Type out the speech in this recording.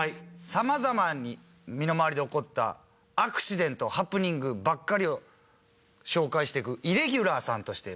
様々身の回りで起こったアクシデントハプニングばっかりを紹介していくイレギュラーさんとして。